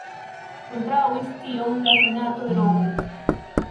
Kontraŭis tion la senato de Romo.